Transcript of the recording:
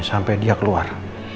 sampai dia keluar